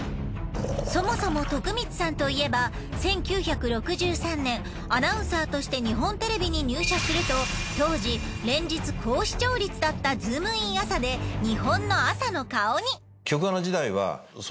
そもそも徳光さんといえば１９６３年アナウンサーとして日本テレビに入社すると当時連日高視聴率だった『ズームイン！！朝！』で日本の朝の顔に。